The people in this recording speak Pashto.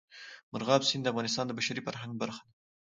مورغاب سیند د افغانستان د بشري فرهنګ برخه ده.